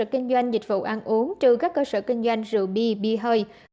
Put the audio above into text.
kinh doanh dịch vụ ăn uống trừ các cơ sở kinh doanh rượu bia bi hơi